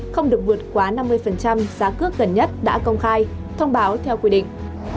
không được vượt quá năm mươi giá cước gần nhất đã công khai thông báo theo quy định